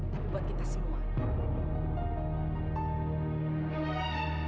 tapi buat kita semua